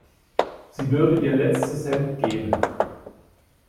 Sie würde ihr letztes Hemd geben.